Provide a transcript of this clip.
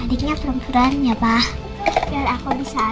adiknya perang perang ya pak